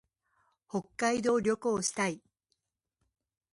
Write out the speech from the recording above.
北海道旅行したい。